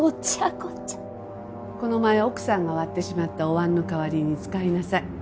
この前奥さんが割ってしまったお碗の代わりに使いなさい。